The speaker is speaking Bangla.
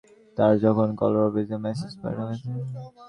তারা যখন কল করবে বা মেসেজ পাঠাবে তখনই আমরা জানতে পারব।